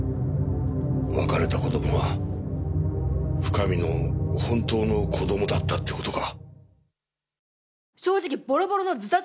別れた子供は深見の本当の子供だったって事か。